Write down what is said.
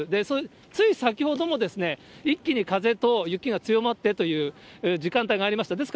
それ、つい先ほども一気に風と雪が強まってという時間帯がありました。